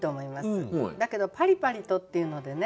だけど「パリパリと」っていうのでね